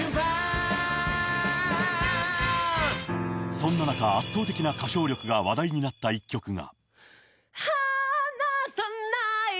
そんな中、圧倒的な歌唱力が話題になった１曲が。